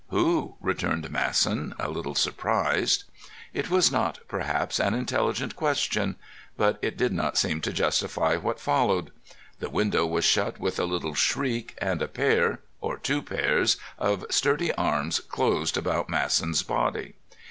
"Who?" returned Masson, a little surprised. It was not, perhaps, an intelligent question, but it did not seem to justify what followed. The window was shut with a little shriek, and a pair—or two pairs—of sturdy arms closed about Masson's body.